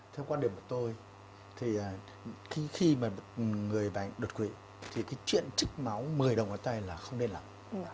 theo quan điểm của tôi khi mà người bệnh độc vị thì chuyện trích máu mười đầu ngón tay là không nên làm